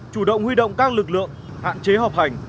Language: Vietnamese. chủ động huy động các lực lượng hạn chế hợp hành